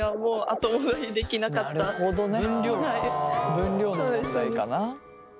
分量の問題かな。